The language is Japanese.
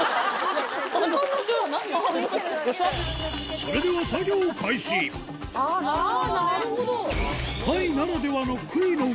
それでは作業開始なるほどね！